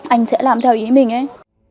anh sẽ làm theo ý mình ấy